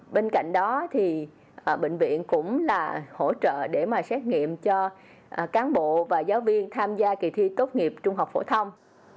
bên cạnh đó thì bệnh viện cũng là hỗ trợ để xét nghiệm cho cán bộ và giáo viên tham gia kỳ thi tốt nghiệp trung học phổ thông